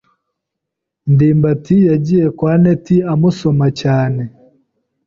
ndimbati yagiye kwa anet amusoma cyane.